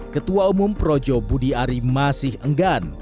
ketua umum projo budi ari masih enggan